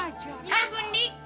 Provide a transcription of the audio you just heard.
ini yang gundi